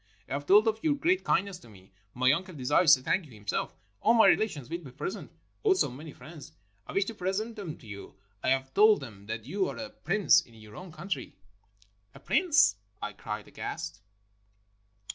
"I have told of your great kind ness to me. My uncle desires to thank you himself. AU my relations will be present, also many friends. I \vish to present them to you. I have told them that you are a prince in your own country." "A prince!" I cried aghast.